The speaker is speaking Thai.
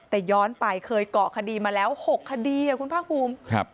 แต่ย้อนไปเคยเกาะคดีมาแล้ว๖คดีคุณภาคภูมิ